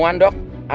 kita bisa ketemuan